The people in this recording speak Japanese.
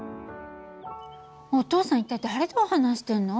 お父さん一体誰と話してるの？